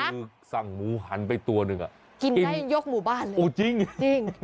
คือสั่งหมูหันไปตัวหนึ่งอ่ะกินได้ยกหมู่บ้านเลยโอ้จริงจริง